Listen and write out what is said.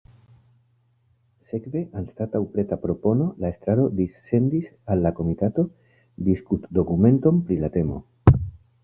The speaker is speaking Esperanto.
Sekve anstataŭ preta propono la estraro dissendis al la komitato "diskutdokumenton" pri la temo.